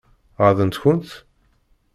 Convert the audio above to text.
Ɣaḍent-kent?